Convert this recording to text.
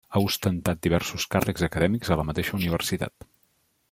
Ha ostentat diversos càrrecs acadèmics a la mateixa Universitat.